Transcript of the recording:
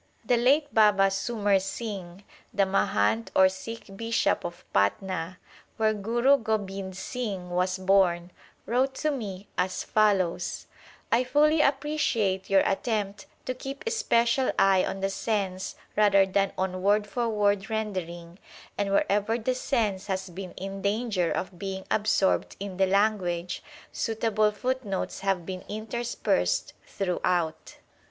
The late Baba Sumer Singh, the Mahant or Sikh Bishop of Patna, where Guru Gobind Singh was born, wrote to me as follows : I fully appreciate your attempt to keep especial eye on the sense rather than on word for word rendering, and wherever the sense has been in danger of being absorbed in the language, suitable foot notes have been interspersed throughout.